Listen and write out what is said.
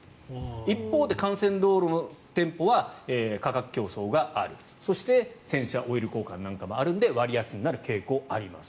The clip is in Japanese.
一方で幹線道路の店舗は価格競争があるそして洗車オイル交換なんかもあるので割安になる傾向があります。